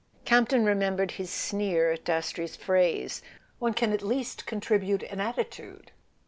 Campton remembered his sneer at Dastrey's phrase: "One can at least contribute an attitude."